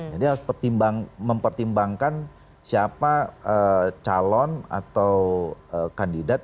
jadi harus mempertimbangkan siapa calon atau kandidat